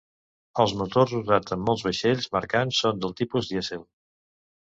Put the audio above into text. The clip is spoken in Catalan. Els motors usats en molts vaixells mercants són del tipus dièsel.